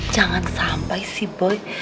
jangan sampai si boy